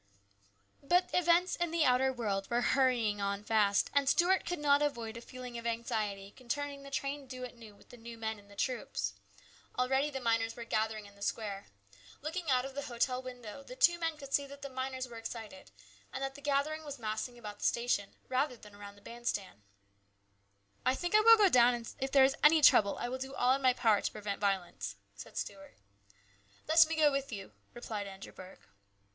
But events in the outer world were hurrying on fast, and Stuart could not avoid a feeling of anxiety concerning the train due at noon with the new men and the troops. Already the miners were gathering in the square. Looking out of the hotel window, the two men could see that the miners were excited, and that the gathering was massing about the station, rather than around the band stand. 112 HIS BROTHER'S KEEPER. " I think I will go down, and if there is any trouble I will do all in my power to prevent violence," said Stuart. " Let me go with you," replied Andrew Burke.